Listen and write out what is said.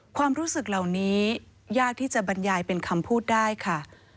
ความรู้สึกเหล่านี้ยากที่จะบรรยายเป็นคำพูดได้ค่ะ